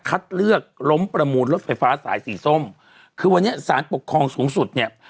เลือกล้มประมูลรถไฟฟ้าสายสีส้มคือวันนี้สารปกครองสูงสุดเนี่ย